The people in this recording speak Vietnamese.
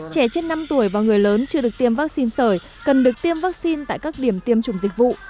trẻ chết năm tuổi và người lớn chưa được tiêm vắc xin sởi cần được tiêm vắc xin tại các điểm tiêm chủng dịch vụ